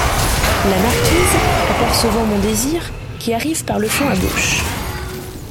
La Marquise , apercevant Montdésir, qui arrive par le fond à gauche.